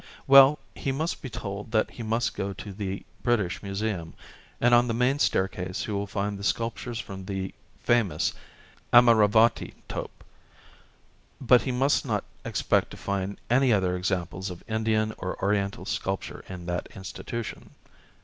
Well, he must be told that he must go to the British Museum, and on the main staircase he will find the sculptures from the famous Amaravati tope, but he must not expect to find any other examples of Indian or Oriental sculpture in that institution.